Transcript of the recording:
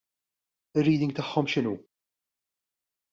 Ir-reading tagħhom x'inhu?